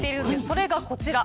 それがこちら。